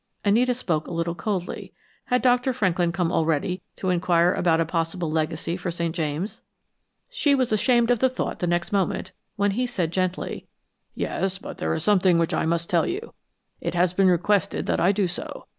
Anita spoke a little coldly. Had Dr. Franklin come already to inquire about a possible legacy for St. James'? She was ashamed of the thought the next moment, when he said gently, "Yes, but there is something which I must tell you. It has been requested that I do so.